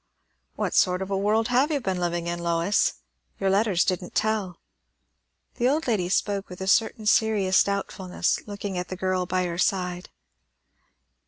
"What sort of a world have you been living in, Lois? Your letters didn't tell." The old lady spoke with a certain serious doubtfulness, looking at the girl by her side.